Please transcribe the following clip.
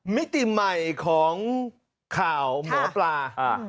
มิติใหม่ของข่าวหมอปลา